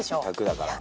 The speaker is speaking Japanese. １００だから。